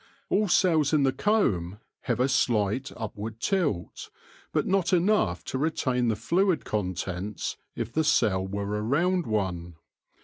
All cells in the comb have a slight upward tilt, but not enough to retain the fluid contents if the cell were a round one.